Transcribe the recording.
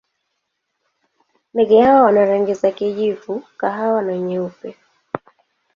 Ndege hawa wana rangi za kijivu, kahawa na nyeupe.